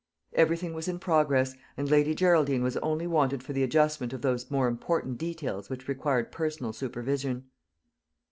Everything was in progress, and Lady Geraldine was only wanted for the adjustment of those more important details which required personal supervision.